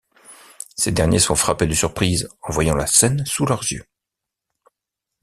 Ces derniers sont frappées de surprise en voyant la scène sous leurs yeux.